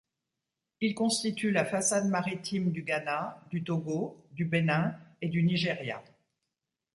Il constitue la façade maritime du Ghana, du Togo, du Bénin et du Nigeria.